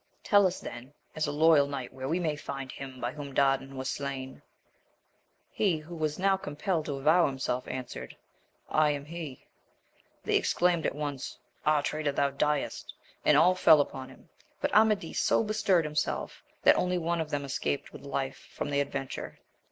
Tell us then, as a loyal knight, where we may find him by whom Dardan was slain. He who was now compelled to avow himself answered, I am he. They exclaimed at once. Ah, traitor, thou diest ! and all fell upon him. But Amadis so bestirred himself, that only one of them escaped with life from the adventure.